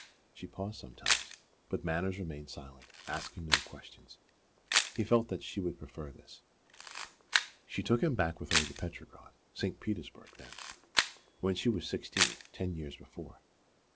She paused sometimes; but Manners remained silent, asking no questions. He felt that she would prefer this. She took him back with her to Petrograd (St. Petersburg then) when she was sixteen, ten years before.